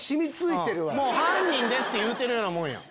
「犯人です」って言うてるようなもんやん。